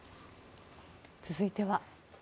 続いては。